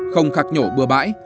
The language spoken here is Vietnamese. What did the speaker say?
không khạc nhổ bừa bãi